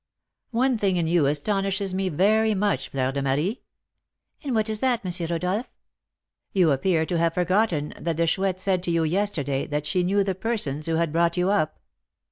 "One thing in you astonishes me very much, Fleur de Marie." "And what is that, M. Rodolph?" "You appear to have forgotten that the Chouette said to you yesterday that she knew the persons who had brought you up."